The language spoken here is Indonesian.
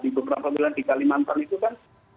di beberapa wilayah di kalimantan itu kan